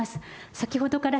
先ほどから、